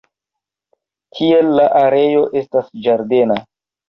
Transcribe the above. Tiel la areo estas ĝardena.